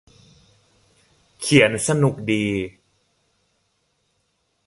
เขียนสนุกดี